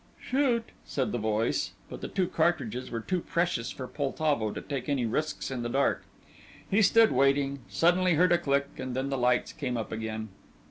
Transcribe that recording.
"Shoot!" said the voice, but the two cartridges were too precious for Poltavo to take any risks in the dark. He stood waiting, suddenly heard a click, and then the lights came up again.